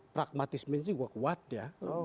pragmatisme ini kuat kuat ya